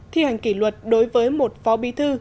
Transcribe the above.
thi hành kỷ luật đối với một phó bí thư